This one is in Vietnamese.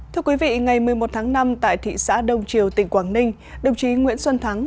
thưa quý vị ngày một mươi một tháng năm tại thị xã đông triều tỉnh quảng ninh đồng chí nguyễn xuân thắng